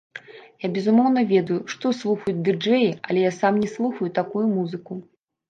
Я безумоўна ведаю, што слухаюць ды-джэі, але я сам не слухаю такую музыку.